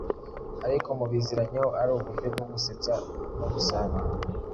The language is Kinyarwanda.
ariko mubiziranyeho ari uburyo bwo gusestsa no gusabana.